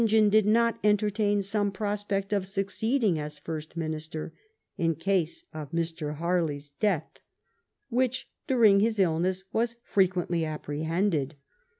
John did not enter tain some prospect of succeeding as first minister, in case of Mr. Harley's death ; which, during his illness^ was frequently apprehended.